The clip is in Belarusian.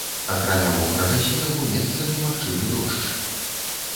Акрамя мокрага снегу месцамі магчымы дождж.